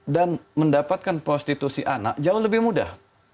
dan mendapatkan prostitusi anak jauh lebih mudah